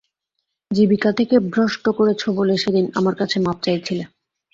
জীবিকা থেকে ভ্রষ্ট করেছ বলে সেদিন আমার কাছে মাপ চাইছিলে।